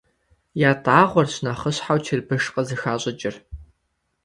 ЯтӀагъуэрщ нэхъыщхьэу чырбыш къызыхащӀыкӀыр.